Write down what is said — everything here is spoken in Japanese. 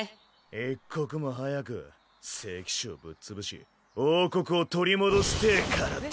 一刻も早く聖騎士をぶっ潰し王国を取り戻してぇからだ！